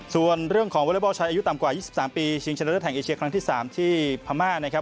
ส่วนเรื่องของวอเล็กบอลชายอายุต่ำกว่า๒๓ปีชิงชนะเลิศแห่งเอเชียครั้งที่๓ที่พม่านะครับ